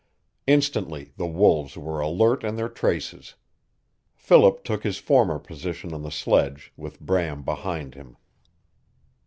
Instantly the wolves were alert in their traces. Philip took his former position on the sledge, with Bram behind him.